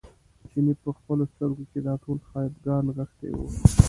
چیني په خپلو سترګو کې دا ټول خپګان نغښتی و.